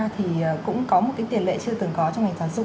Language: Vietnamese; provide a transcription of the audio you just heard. thì cũng có một cái tiền lệ chưa từng có trong ngành giáo dục